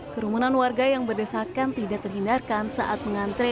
kerumunan warga yang berdesakan tidak terhindarkan saat mengantre